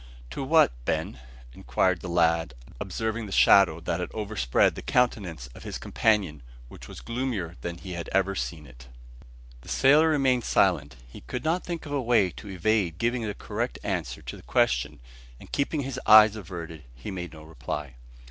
"To what, Ben?" inquired the lad, observing the shadow that had overspread the countenance of his companion, which was gloomier than he had ever seen it. The sailor remained silent. He could not think of a way to evade giving the correct answer to the question; and keeping his eyes averted, he made no reply.